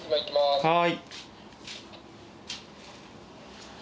はい。